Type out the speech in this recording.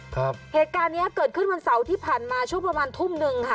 เหตุการณ์เนี้ยเกิดขึ้นวันเสาร์ที่ผ่านมาช่วงประมาณทุ่มหนึ่งค่ะ